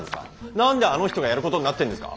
何であの人がやることになってんですか？